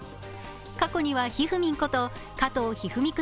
過去にはひふみんこと加藤一二三九